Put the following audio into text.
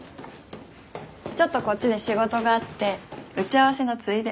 ちょっとこっちで仕事があって打ち合わせのついで。